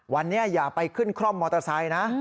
วันนี้อย่าไปขึ้นคล่อมมอเตอร์ไซค์นะ